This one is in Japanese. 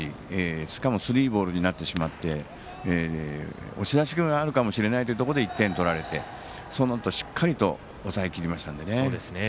しかもスリーボールになってしまって押し出しがあるかもしれないというところで１点取られてそのあと、しっかりと抑えきりましたので。